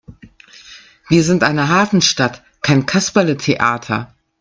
Wir sind eine Hafenstadt, kein Kasperletheater!